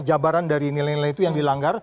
jabaran dari nilainya itu yang dilanggar